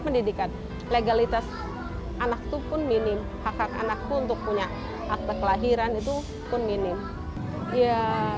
pendidikan legalitas anak itu pun minim hak hak anakku untuk punya akta kelahiran itu pun minim ya